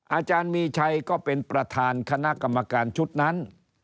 อาจารย์มีชัยก็เป็นประธานคณะกรรมการชุดนั้น